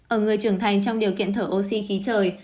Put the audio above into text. ở người trưởng thành trong điều kiện thở oxy khí trời